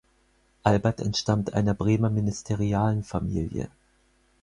Albert entstammt einer Bremer Ministerialenfamilie.